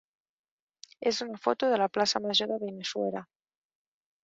és una foto de la plaça major de Benissuera.